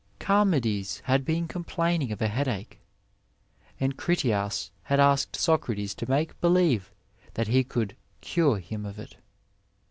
Charmides had been complaining of a headache, and Critias had asked Socrates to make believe that he could cure him of it.